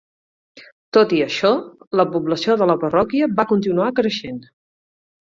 Tot i això, la població de la parròquia va continuar creixent.